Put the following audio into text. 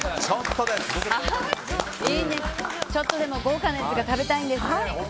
ちょっとでも豪華なやつが食べたいんです。